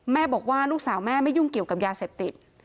บอกว่าลูกสาวแม่ไม่ยุ่งเกี่ยวกับยาเสพติด